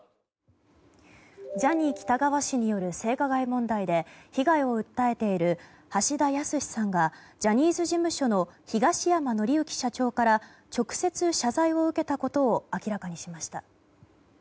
ジャニー喜多川氏による性加害問題で被害を訴えている橋田康さんがジャニーズ事務所の東山紀之社長から直接謝罪を受けたことを明らかにしました。